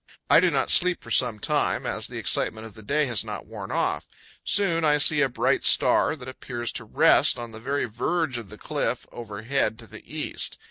I do not sleep for some time, as the excitement of the day has not worn off. Soon I see a bright star that appears to rest on the very verge of the cliff overhead to the east.